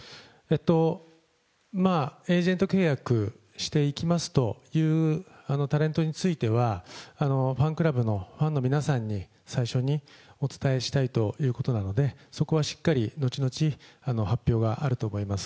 エージェント契約していきますというタレントについては、ファンクラブのファンの皆さんに、最初にお伝えしたいということなので、そこはしっかり後々発表があると思います。